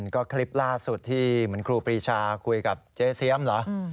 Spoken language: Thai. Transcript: ก็คลิปล่าสุดที่เหมือนครูปรีชาคุยกับเจ๊เสียมเหรอ